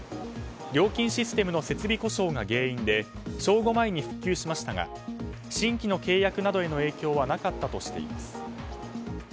料金システムの設備故障が原因で正午前に復旧しましたが新規の契約などへの影響はなかったとしています。